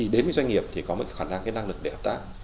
đến với doanh nghiệp thì có mọi khả năng năng lực để hợp tác